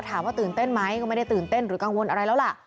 ถามว่าตื่นเต้นไหมก็ไม่ได้ตื่นเต้นหรือกังวลอะไรแล้วล่ะ